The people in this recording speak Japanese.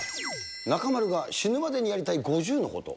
中丸が死ぬまでにやりたい５０のこと。